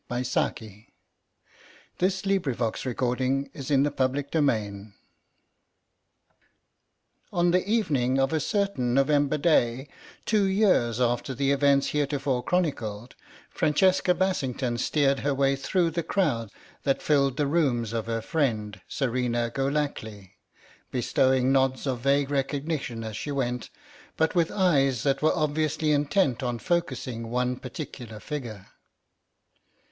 Francesca's bridge went crashing into the abyss. CHAPTER III ON the evening of a certain November day, two years after the events heretofore chronicled, Francesca Bassington steered her way through the crowd that filled the rooms of her friend Serena Golackly, bestowing nods of vague recognition as she went, but with eyes that were obviously intent on focussing one particular figure.